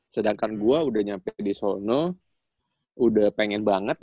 sedangkan gua udah nyampe disono udah pengen banget